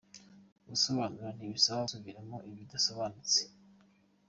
Gusobanura ntibisaba gusubiramo ibidasobanutse